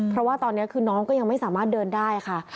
เพราะว่าตอนนี้คือน้องก็ยังไม่สามารถเดินได้ค่ะ